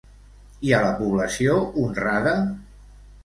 I a la població honrada?